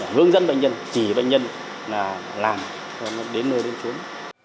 hướng dẫn bệnh nhân chỉ bệnh nhân là làm cho nó đến nơi đến trốn